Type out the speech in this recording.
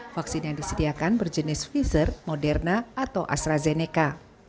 vaksin yang disediakan berjenis pfizer moderna atau astrazeneca